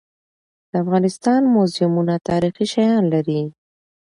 د افغانستان موزیمونه تاریخي شیان لري.